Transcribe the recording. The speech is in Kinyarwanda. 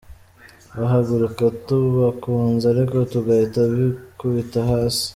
Bahaguruka tubakunze ariko bagahita bikubita hasi